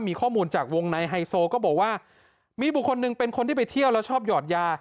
มีข้อมูลจากวงในไฮโซก็บอกว่ามีบุคคลหนึ่งเป็นคนที่ไปเที่ยวแล้วชอบหยอดยา